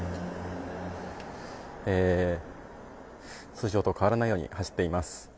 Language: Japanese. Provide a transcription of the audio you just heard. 通常と変わらないように走っています。